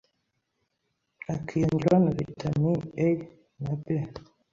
hakiyongeraho na vitamine A na, B,